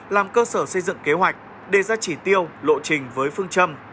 làm cơ sở xây dựng kế hoạch đề ra chỉ tiêu lộ trình với phương châm